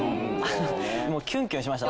キュンキュンしました。